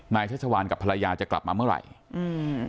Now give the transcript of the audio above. ชัชวานกับภรรยาจะกลับมาเมื่อไหร่อืม